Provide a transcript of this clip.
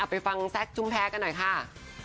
ไปฟังแซคชุมแพ้กันหน่อยค่ะ